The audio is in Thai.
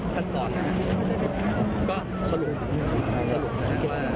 ก็พี่บอกแล้วไงว่า